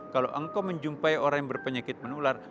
kalau engkau menjumpai orang yang berpenyakit menular